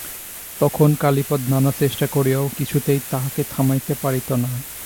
তখন কালীপদ নানা চেষ্টা করিয়াও কিছুতেই তাঁহাকে থামাইতে পারিত না।